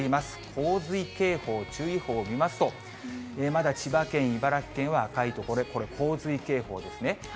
洪水警報、注意報見ますと、まだ千葉県、茨城県は赤い所、これ洪水警報ですね。